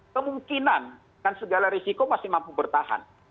kemungkinan kan segala risiko masih mampu bertahan